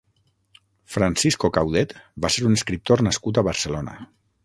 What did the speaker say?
Francisco Caudet va ser un escriptor nascut a Barcelona.